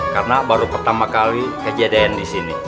karena baru pertama kali kejadian di sini